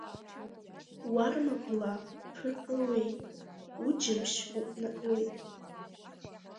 Уарма бла ԥырԥыруеит, уџьымшь уҟәнаҟьоит.